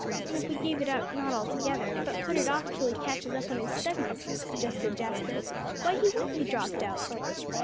"And if we gave it up, not altogether, but put it off till he catches up on his studies," suggested Jasper, "why, he wouldn't be dropped out."